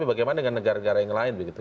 bagaimana dengan negara negara yang lain begitu